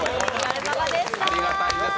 ありがたいです。